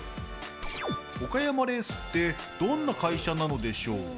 岡山レースってどんな会社なんでしょう。